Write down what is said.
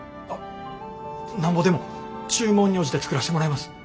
なんぼでも注文に応じて作らしてもらいます。